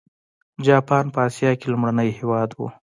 جاپان په اسیا کې لومړنی هېواد و.